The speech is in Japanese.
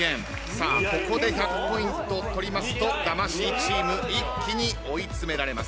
ここで１００ポイント取りますと魂チーム一気に追い詰められます。